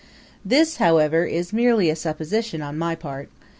This, however, is merely a supposition on my part.